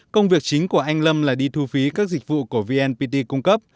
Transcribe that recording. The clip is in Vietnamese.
công việc chính của anh lâm là đi thu phí các dịch vụ của vnpt cung cấp